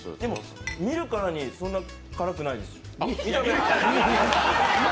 見るからに、そんな辛くないです。